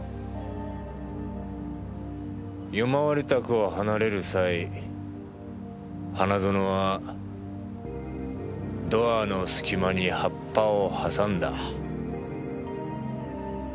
夜回り宅を離れる際花園はドアの隙間に葉っぱを挟んだ。